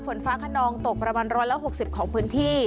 ฝนฟ้าขนองตกประมาณ๑๖๐ของพื้นที่